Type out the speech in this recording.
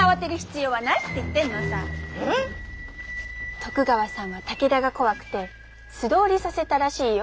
徳川さんは武田が怖くて素通りさせたらしいよ。